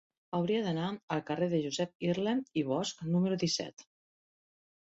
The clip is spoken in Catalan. Hauria d'anar al carrer de Josep Irla i Bosch número disset.